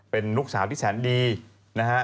เป็นลูกสาวที่แสนดีนะฮะ